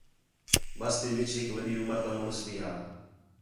بس تی وِچ ہِک وݙّی عُمر تا مُݨس بھی ہا